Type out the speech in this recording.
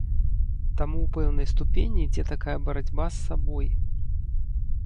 Таму ў пэўнай ступені ідзе такая барацьба з сабой.